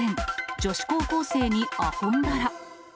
女子高校生にあほんだら。